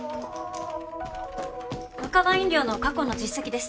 ワカバ飲料の過去の実績です。